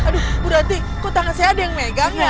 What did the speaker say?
aduh berarti kok tangan saya ada yang megang ya